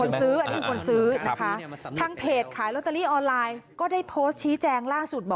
หรืองั้นแผนอะไรเนี่ยเขาก็